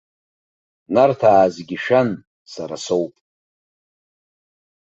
Нарҭаа зегьы шәан сара соуп.